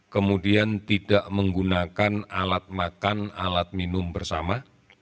kemudian tidak menggunakan alat makan alat minum bersama